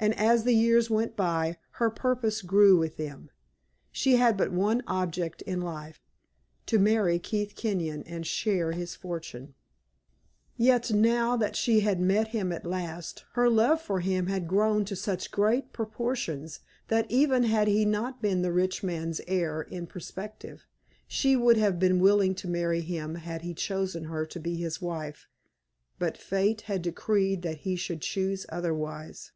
And as the years went by, her purpose grew with them; she had but one object in life to marry Keith Kenyon and share his fortune. Yet now that she had met him at last, her love for him had grown to such great proportions, that, even had he not been the rich man's heir in prospective, she would have been willing to marry him had he chosen her to be his wife. But fate had decreed that he should choose otherwise.